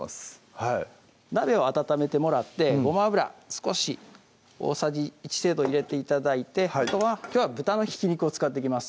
はい鍋を温めてもらってごま油少し大さじ１程度入れて頂いてあとはきょうは豚のひき肉を使っていきます